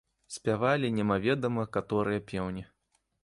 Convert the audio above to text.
Спявалі немаведама каторыя пеўні.